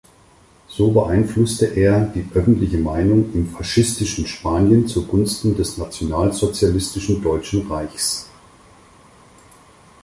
So beeinflusste er die öffentliche Meinung im faschistischen Spanien zugunsten des nationalsozialistischen Deutschen Reichs.